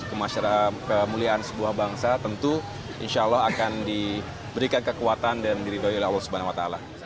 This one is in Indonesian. kemuliaan sebuah bangsa tentu insya allah akan diberikan kekuatan dan diridoi oleh allah swt